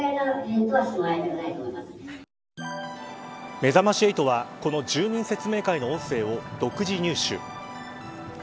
めざまし８は、この住民説明会の音声を独自入手。